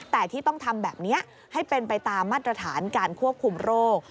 แต่ที่ต้องทำแบบนี้ให้เป็นไปตามมาตรฐานการควบคุมโรค